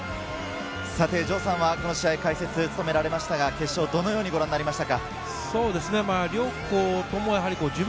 城さんはこの試合、解説を務められましたが、決勝をどのようにご覧になりましたか？